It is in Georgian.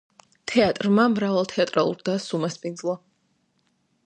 თეატრმა მრავალ თეატრალურ დასს უმასპინძლა.